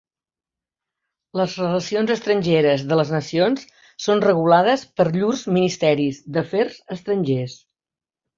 Les relacions estrangeres de les nacions són regulades per llurs ministeris d'afers estrangers.